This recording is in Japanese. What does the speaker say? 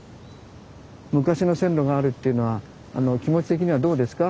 昔の線路があるっていうのは気持ち的にはどうですか？